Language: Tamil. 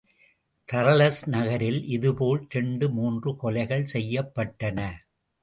தர்லஸ் நகரிலும் இதுபோல் இரண்டு மூன்று கொலைகள் செய்யப்பட்டன.